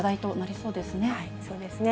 そうですね。